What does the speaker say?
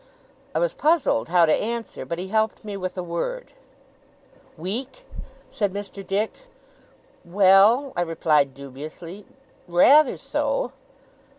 I was puzzled how to answer, but he helped me with a word. 'Weak?' said Mr. Dick. 'Well,' I replied, dubiously. 'Rather so.